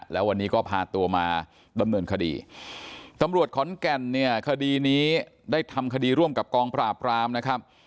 แล้ววันนี้ก็พาตัวมาดำเนินคดีตำรวจขอนแก่นเนี่ยคดีนี้ได้ทำคดีร่วมกับกองปราบรามนะครับ